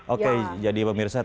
oke jadi pak mirsa tadi